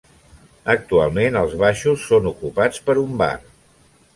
Actualment els baixos són ocupats per un bar.